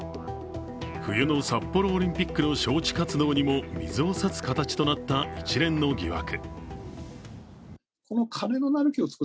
冬の札幌オリンピックの招致活動にも水を差す形となった一連の疑惑。